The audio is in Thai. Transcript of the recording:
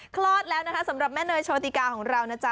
คลอดแล้วนะคะสำหรับแม่เนยโชติกาของเรานะจ๊